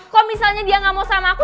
kok misalnya dia gak mau sama aku